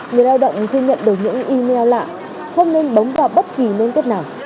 người lao động khi nhận được những email lạ không nên bóng vào bất kỳ nguyên kết nào